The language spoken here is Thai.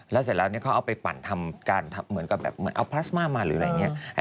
แล้วเสร็จแล้วเค้าเอาไปปั่นทำการแบบเอาพลาสมามาหรืออะไรอย่างนี้